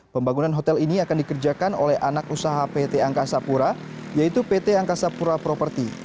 pembangunan hotel ini akan dikerjakan oleh anak usaha pt angkasa pura yaitu pt angkasa pura property